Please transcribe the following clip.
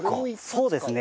そうですね。